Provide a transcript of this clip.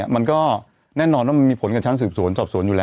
มันก็แน่นอนมีผลกับชั้นสูบสวน